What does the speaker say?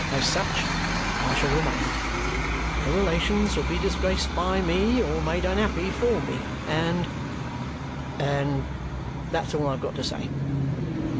As such I shall remain. No relations will be disgraced by me or made unhappy for me, and and that's all I've got to say."